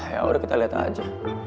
ya udah kita lihat aja